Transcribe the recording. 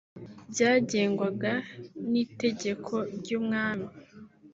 byagengwaga n’itegeko ry’umwami